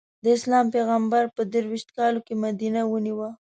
د اسلام پېغمبر په درویشت کالو کې مدینه ونیو.